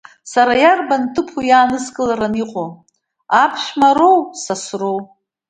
Сара иарбан ҭыԥу иааныскылараны иҟоу, аԥшәымароу, сасроу?